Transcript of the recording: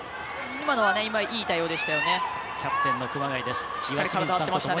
今のはいい対応でしたよね。